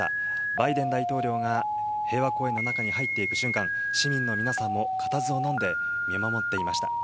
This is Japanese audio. バイデン大統領が平和公園の中に入っていく瞬間、市民の皆さんも固唾をのんで見守っていました。